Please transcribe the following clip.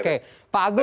oke pak agus